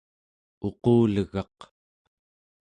uqulegaq